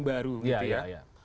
baru gitu ya